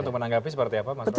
untuk menanggapi seperti apa